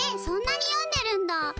そんなに読んでるんだ！？